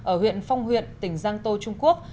ở huyện phong huyện tỉnh giang tô trung quốc